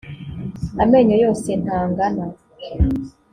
amenyo yose ntangana.